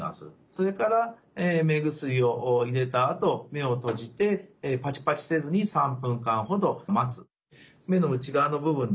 それから目薬を入れたあと目を閉じてパチパチせずに３分間ほど待つ。